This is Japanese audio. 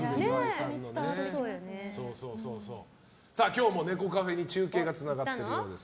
さあ、今日もネコカフェに中継がつながっているようです。